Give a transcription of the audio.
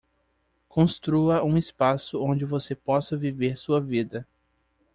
Construa um espaço onde você possa viver sua vida